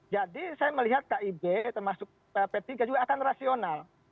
jadi saya melihat kib termasuk p tiga juga akan rasional